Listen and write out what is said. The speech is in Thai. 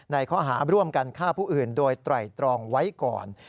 ข้อหาร่วมกันฆ่าผู้อื่นโดยไตรตรองไว้ก่อน